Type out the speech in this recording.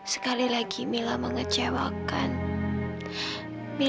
sekali lagi aku mengecewakanmu